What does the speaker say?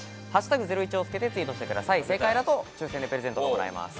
「＃ゼロイチ」をつけてツイートしてください、正解だと抽選でプレゼントがもらえます。